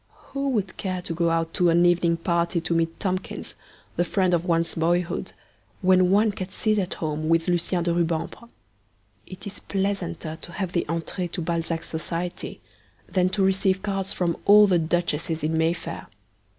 Who would care to go out to an evening party to meet Tomkins, the friend of one's boyhood, when one can sit at home with Lucien de Rubempre? It is pleasanter to have the entree to Balzac's society than to receive cards from all the duchesses in May fair.